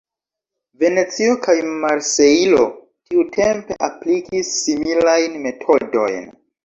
Venecio kaj Marsejlo tiutempe aplikis similajn metodojn.